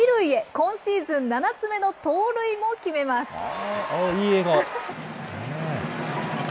今シーズン７つ目の盗塁も決めまいい笑顔。